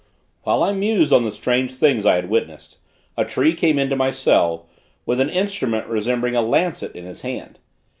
While I mused on the strange things I had witnessed, a tree came into my cell, with an instrument resembling a lancet in his hand.